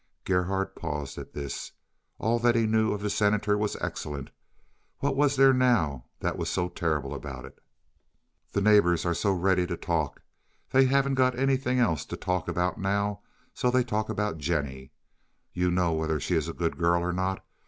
Gerhardt paused at this. All that he knew of the Senator was excellent. What was there now that was so terrible about it? "The neighbors are so ready to talk. They haven't got anything else to talk about now, so they talk about Jennie. You know whether she is a good girl or not.